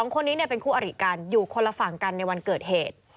๒คนนี้เป็นคู่อริกันอยู่คนละฝั่งกันในวันเกิดเหตุ